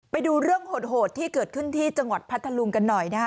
ไปดูเรื่องโหดที่เกิดขึ้นที่จังหวัดพัทธลุงกันหน่อยนะฮะ